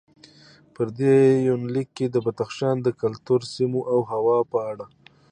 په دې یونلیک کې د بدخشان د کلتور، سیمو او هوا په اړه